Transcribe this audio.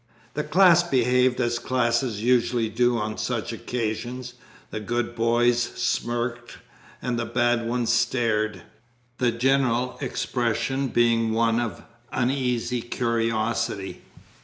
The class behaved as classes usually do on such occasions. The good boys smirked and the bad ones stared the general expression being one of uneasy curiosity.